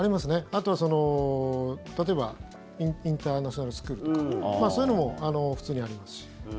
あとは、例えばインターナショナルスクールとかそういうのも普通にありますし。